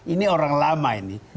ini orang lama ini